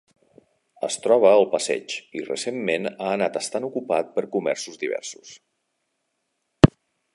Es troba al Passeig, i recentment ha anat estant ocupat per comerços diversos.